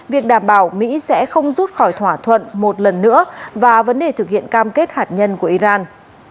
việc đảm bảo mỹ sẽ không rút khỏi thỏa thuận một lần nữa và vấn đề thực hiện cam kết hạt nhân của iran